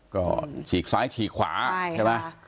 ก็ฉีกซ้ายฉีกขวาใช่ไหม